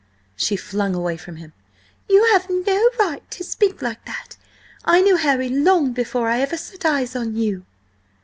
She flung away from him. "You have no right to speak like that. I knew Harry long before I ever set eyes on you!"